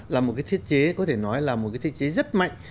là một cái thiết chế có thể nói là một cái thiết chế rất mạnh